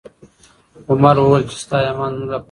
عمر وویل چې ستا ایمان زموږ لپاره الګو ده.